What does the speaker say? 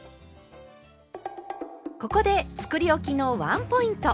ここでつくりおきのワンポイント。